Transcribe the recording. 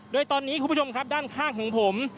โดยตอนนี้คุณผู้ชมครับด้านข้างของผม